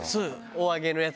お揚げのやつ？